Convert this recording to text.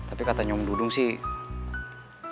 tapi kata nyom dudung sih